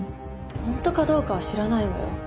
本当かどうかは知らないわよ。